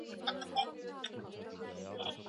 이십여 간이나 되는 면사무소 내에 농민들이 빽빽히 들어앉았다.